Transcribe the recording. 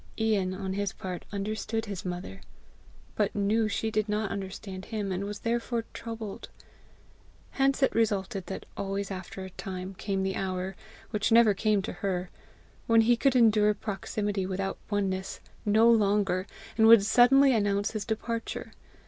Ian on his part understood his mother, but knew she did not understand him, and was therefore troubled. Hence it resulted that always after a time came the hour which never came to her when he could endure proximity without oneness no longer, and would suddenly announce his departure.